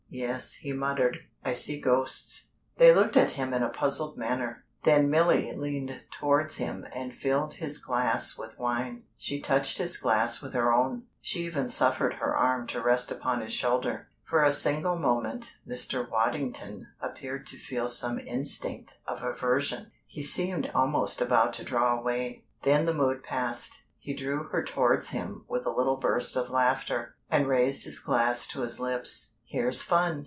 "Yes," he muttered, "I see ghosts!" They looked at him in a puzzled manner. Then Milly leaned towards him and filled his glass with Wine. She touched his glass with her own, she even suffered her arm to rest upon his shoulder. For a single moment Mr. Waddington appeared to feel some instinct of aversion. He seemed almost about to draw away. Then the mood passed. He drew her towards him with a little burst of laughter, and raised his glass to his lips. "Here's fun!"